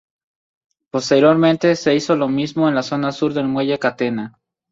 Posteriormente se hizo lo mismo en la zona sur del muelle Catena.